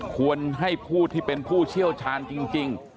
ควรให้ผู้ที่เป็นผู้เชี่ยวชาญจริง